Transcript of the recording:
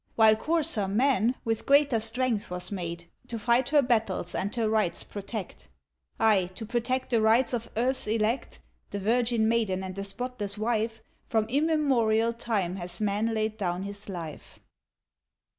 While coarser man, with greater strength was made To fight her battles and her rights protect. Ay! to protect the rights of earth's elect (The virgin maiden and the spotless wife) From immemorial time has man laid down his life.